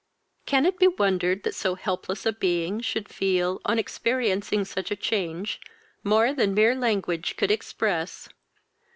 Can it be wondered that so helpless a being should feel, on experiencing such a change, more than mere language could express!